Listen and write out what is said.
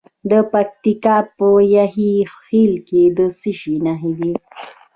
د پکتیکا په یحیی خیل کې د څه شي نښې دي؟